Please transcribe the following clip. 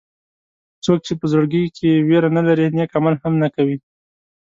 څوک چې په زړه کې وېره نه لري نیک عمل هم نه کوي.